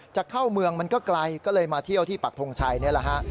จะเข้าเมืองมันก็ไกลก็เลยมาเที่ยวที่ปักทงชัยนี่แหละฮะ